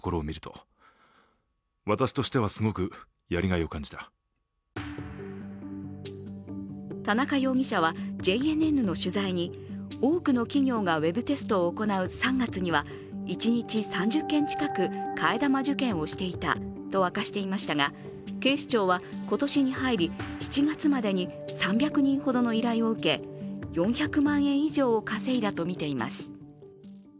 替え玉受検を請け負った動機については田中容疑者はＪＮＮの取材に多くの企業がウェブテストを行う３月には一日３０件近く替え玉受検をしていたと明かしていましたが、警視庁は今年に入り７月までに３００人ほどの依頼を受け、４００万円以上を稼いだとみています